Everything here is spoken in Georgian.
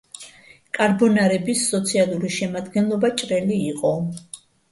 კარბონარების სოციალური შემადგენლობა ჭრელი იყო.